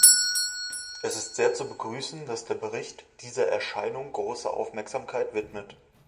Es ist sehr zu begrüßen, dass der Bericht dieser Erscheinung große Aufmerksamkeit widmet.